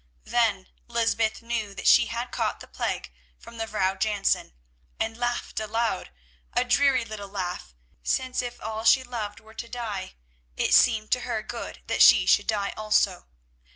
Then Lysbeth knew that she had caught the plague from the Vrouw Jansen, and laughed aloud, a dreary little laugh, since if all she loved were to die, it seemed to her good that she should die also.